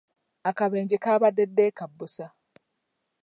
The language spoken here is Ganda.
Akabenje kaabadde ddeka busa.